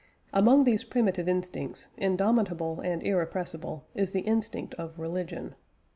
Among these primitive instincts, indomitable and irrepressible, is the instinct of religion.